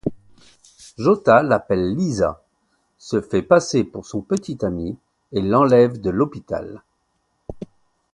Jota l'appelle Lisa, se fait passer pour son petit ami, et l’enlève de l'hôpital.